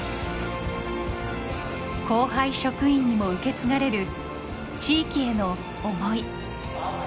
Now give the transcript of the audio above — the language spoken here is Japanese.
後輩職員にも受け継がれる地域への思い。